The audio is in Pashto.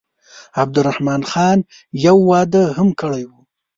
عبدالرحمن خان یو واده هم کړی وو.